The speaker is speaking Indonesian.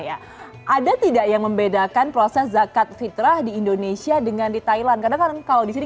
ada tidak yang membedakan proses zakat fitrah di indonesia dengan di thailand karena kan kalau di sini